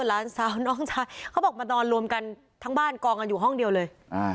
หลานสาวน้องชายเขาบอกมานอนรวมกันทั้งบ้านกองกันอยู่ห้องเดียวเลยอ่า